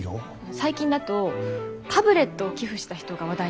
最近だとタブレットを寄付した人が話題になりました。